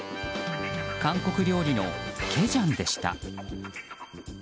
韓国料理のケジャンでした。